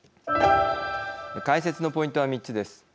解説のポイントは３つです。